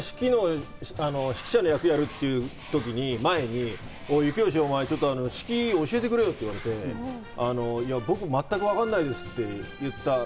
浩市さんが指揮者の役をやるっていうときに、前に征悦、お前、指揮を教えてくれよって言われて僕、全くわかんないですって言った。